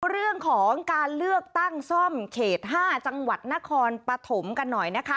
เรื่องของการเลือกตั้งซ่อมเขต๕จังหวัดนครปฐมกันหน่อยนะคะ